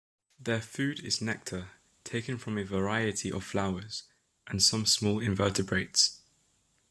Their food is nectar, taken from a variety of flowers, and some small invertebrates.